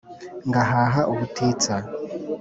ngahaha ubutitsa